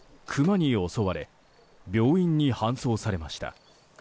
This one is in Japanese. ２人がクマに襲われ病院に搬送されました。